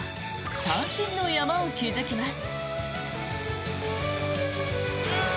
三振の山を築きます。